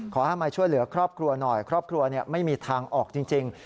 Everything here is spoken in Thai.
ขอให้มาช่วยเหลือครอบครัวหน่อยครอบครัวไม่มีทางออกจริง